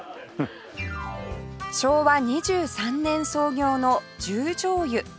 昭和２３年創業の十條湯